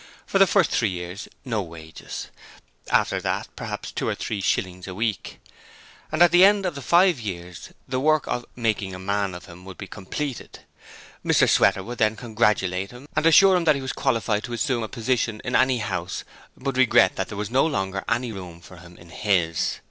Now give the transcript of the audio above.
For the first three years, no wages: after that, perhaps two or three shillings a week. At the end of the five years the work of 'Making a Man of him' would be completed. Mr Sweater would then congratulate him and assure him that he was qualified to assume a 'position' in any House but regret that there was no longer any room for him in his.